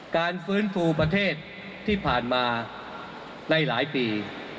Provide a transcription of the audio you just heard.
การฟื้นฟูประเทศที่ผ่านมาในหลายปี